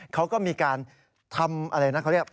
เขาก็มีการทำอะไรนะเขาเรียก